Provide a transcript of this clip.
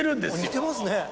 似てますね。